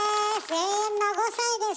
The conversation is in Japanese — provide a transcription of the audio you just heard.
永遠の５さいです。